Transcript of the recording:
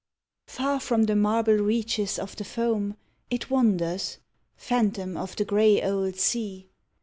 Far from the marble reaches of the foam, It wanders, phantom of the grey old sea.